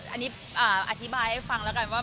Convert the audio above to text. อันนี้อธิบายให้ฟังแล้วกันว่า